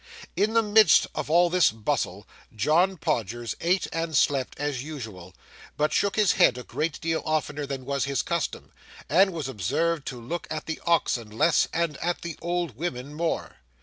In the midst of all this bustle John Podgers ate and slept as usual, but shook his head a great deal oftener than was his custom, and was observed to look at the oxen less, and at the old women more.